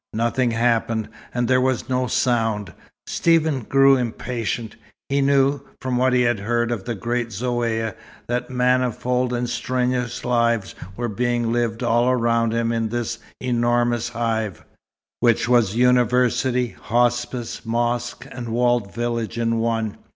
Nothing happened, and there was no sound. Stephen grew impatient. He knew, from what he had heard of the great Zaouïa, that manifold and strenuous lives were being lived all around him in this enormous hive, which was university, hospice, mosque, and walled village in one.